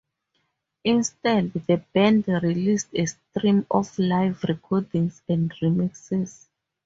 Instead, the band released a stream of live recordings and remixes.